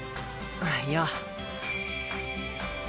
いや。